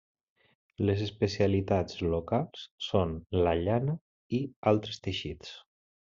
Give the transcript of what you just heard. Les especialitats locals són la llana i altres teixits.